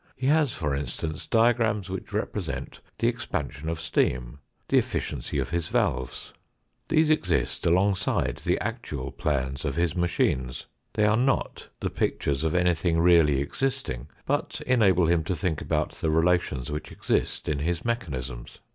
He has, for instance, diagrams which represent the expansion of steam, the efficiency of his valves. These exist alongside the actual plans of his machines. They are not the pictures of anything really existing, but enable him to think about the relations which exist in his mechanisms.